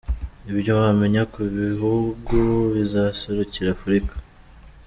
Ibyo wamenya ku bihugu bizaserukira Afurika .